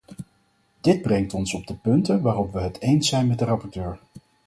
Dit brengt ons op de punten waarop we het eens zijn met de rapporteur.